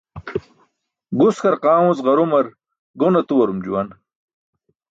Gus qarqaamuc ġarumar gon atuwarum juwan